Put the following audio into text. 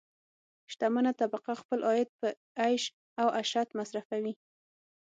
شتمنه طبقه خپل عاید په عیش او عشرت مصرفوي.